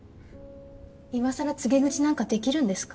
今更告げ口なんかできるんですか？